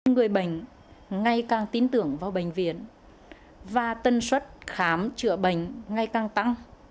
người bệnh ngày càng tin tưởng vào bệnh viện và tân suất khám chữa bệnh ngày càng tăng